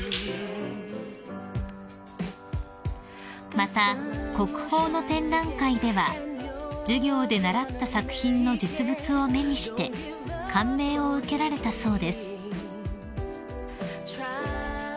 ［また国宝の展覧会では授業で習った作品の実物を目にして感銘を受けられたそうです］